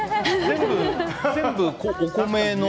全部、お米の。